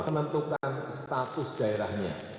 menentukan status daerahnya